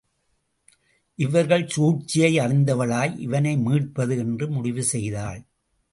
இவர்கள் சூழ்ச்சியை அறிந்தவளாய் இவனை மீட்பது என்று முடிவு செய்தாள்.